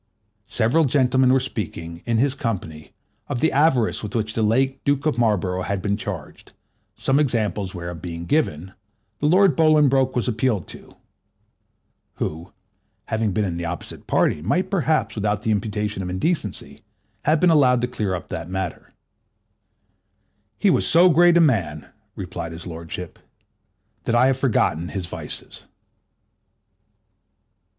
Several gentlemen were speaking, in his company, of the avarice with which the late Duke of Marlborough had been charged, some examples whereof being given, the Lord Bolingbroke was appealed to (who, having been in the opposite party, might perhaps, without the imputation of indecency, have been allowed to clear up that matter): "He was so great a man," replied his lordship, "that I have forgot his vices."